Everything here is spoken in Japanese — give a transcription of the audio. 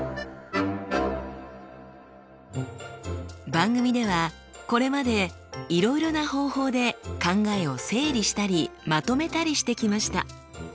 番組ではこれまでいろいろな方法で考えを整理したりまとめたりしてきました。